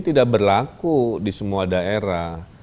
tidak berlaku di semua daerah